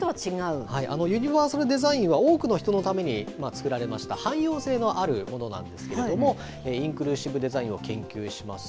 ユニバーサルデザインは多くの人のために作られました、汎用性のあるものなんですけれども、インクルーシブデザインを研究します